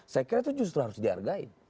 saya kira itu justru harus dihargai